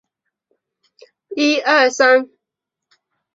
硫氰酸亚铜可以用作防污涂料。